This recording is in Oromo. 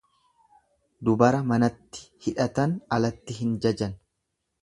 Dubara manatti hidhan alatti hin jajan.